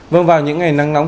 vâng vào những ngày nắng nóng